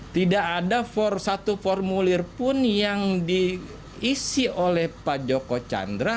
tidak ada satu formulir pun yang diisi oleh pak joko chandra